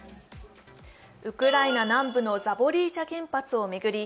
ウクライナ南部のザポリージャ原発を巡り